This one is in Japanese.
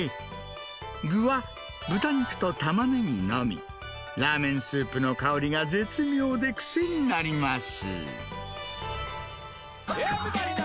具は、豚肉とタマネギのみ、ラーメンスープの香りが絶妙で癖になります。